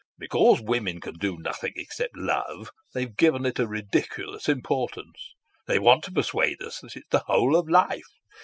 Because women can do nothing except love, they've given it a ridiculous importance. They want to persuade us that it's the whole of life.